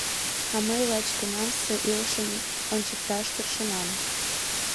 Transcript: А мый лач тунамсе илышым ончыкташ тыршенам.